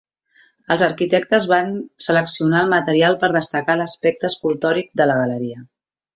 Els arquitectes van seleccionar el material per destacar l'aspecte escultòric de la galeria.